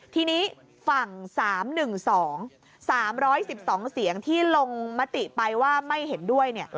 ทีนี้ฝั่ง๓๑๒๓๑๒เสียงที่ลงมติไปว่าไม่เห็นด้วย